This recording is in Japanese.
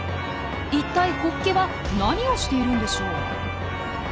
一体ホッケは何をしているんでしょう？